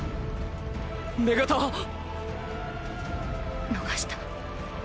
女型は⁉逃した。